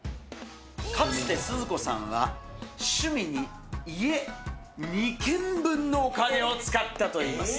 かつてスズ子さんは、趣味に家２軒分のお金を使ったといいます。